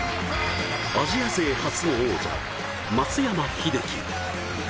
アジア勢初の王者、松山英樹。